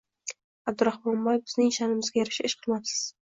— Abduraxmonboy, bizning sha’nimizga yarasha ish qilmabsiz.